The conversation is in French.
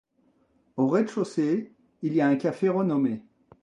Au rez-de-chaussée, il y a un café renommé.